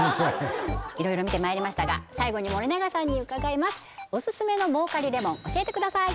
色々見てまいりましたが最後に森永さんに伺いますオススメの儲かりレモン教えてください！